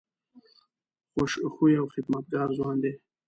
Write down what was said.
خوش خویه او خدمتګار ځوان دی.